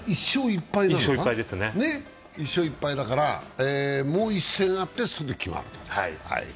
今、１勝１敗だから、もう１戦あって、それで決まると。